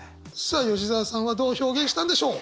さあ吉澤さんはどう表現したんでしょう？